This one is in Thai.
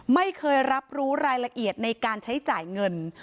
ไม่เคยรับรู้รายละเอียดในการใช้จ่ายเงิน